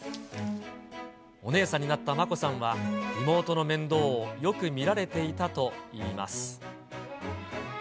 お姉さんになった眞子さんは、妹の面倒をよく見られていたといいます。